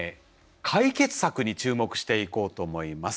解決策に注目していこうと思います。